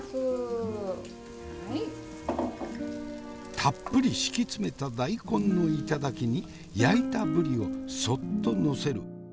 たっぷり敷き詰めた大根の頂に焼いたぶりをそっと載せる。